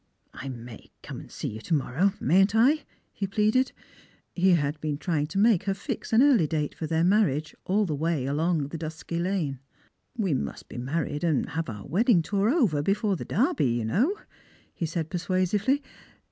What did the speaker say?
" I may come to see you to morrow, mayn't I ?" he pleaded. He had been trying to make her fix an early date for their mar riage all the way along the dusky lane. " We must be married and have our wedding tour over before the Derby, you know," he said persuasively.